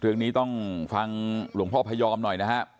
เรื่องนี้ต้องฟังหลวงพ่อพยอมหน่อยนะครับ